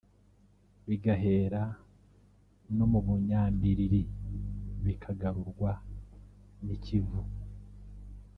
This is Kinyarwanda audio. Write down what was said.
bigahera no mu Bunyambiriri bikagarurwa n’i Kivu